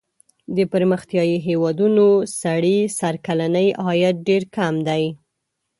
د پرمختیايي هېوادونو سړي سر کلنی عاید ډېر کم دی.